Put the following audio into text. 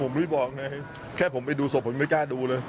ผมว่าเเหล่ยังไงแค่ผมไปดูศพผมไม่กล้าดูเลย